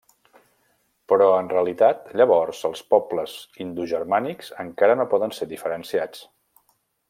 Però en realitat llavors els pobles indogermànics encara no poden ser diferenciats.